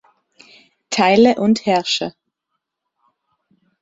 Teile und herrsche!